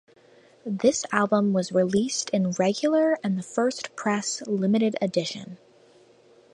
This album was released in regular and the first press limited edition.